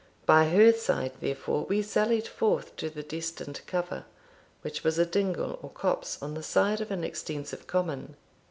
By her side, therefore, we sallied forth to the destined cover, which was a dingle or copse on the side of an extensive common.